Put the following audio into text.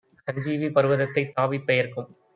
சஞ்சீவி பர்வதத்தைத் தாவிப் பெயர்க்கும்